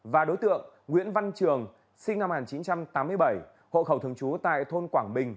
và đối tượng nguyễn văn trường sinh năm một nghìn chín trăm tám mươi bảy hộ khẩu thường trú tại thôn quảng bình